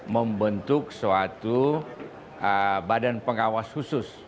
membentuk suatu badan pengawas khusus